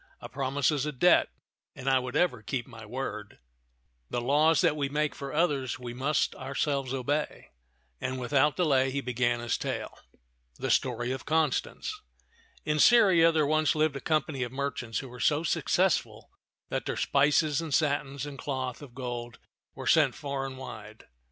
A promise is a debt, and I would ever keep my word. The laws that we make 56 €^§e (^an of ^a>»'0 tak for others, we must ourselves obey"; and without delay he began this tale. THE STORY OF CONSTANCE IN Syria there once lived a company of merchants who were so successful that their spices and satins and cloth of gold were sent far and wide.